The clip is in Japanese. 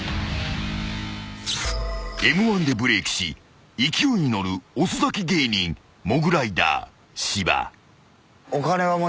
［Ｍ−１でブレークし勢いに乗る遅咲き芸人モグライダー芝］